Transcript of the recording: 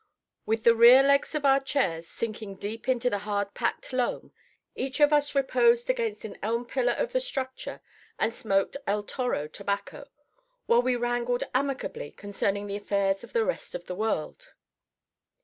With the rear legs of our chairs sinking deep into the hardpacked loam, each of us reposed against an elm pillar of the structure and smoked El Toro tobacco, while we wrangled amicably concerning the affairs of the rest of the world.